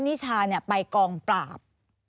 นิชาเนี่ยไปกองปราบ